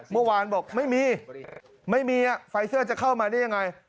เมื่อวานบอกไม่มีไม่มีไฟเซอร์จะเข้ามาได้ยังไง